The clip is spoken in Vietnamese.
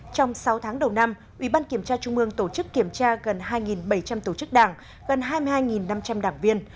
trong sáu tháng đầu năm ubkt tổ chức kiểm tra gần hai bảy trăm linh tổ chức đảng gần hai mươi hai năm trăm linh đảng viên